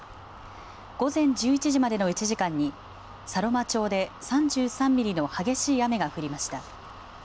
午前１１時までの１時間に佐呂間町で３３ミリの激しい雨が降りました。